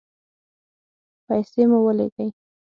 پیسې مو ولیکئ